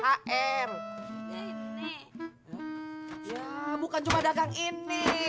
ya bukan cuma dagang ini